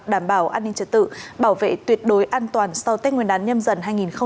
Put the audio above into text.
đảm bảo an ninh trật tự bảo vệ tuyệt đối an toàn sau tết nguyên đán nhâm dần hai nghìn hai mươi bốn